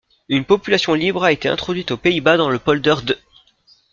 Une population libre a été introduite aux Pays-Bas, dans le polder d'.